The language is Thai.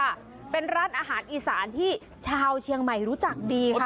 ว่าเป็นร้านอาหารอีสานที่ชาวเชียงใหม่รู้จักดีค่ะ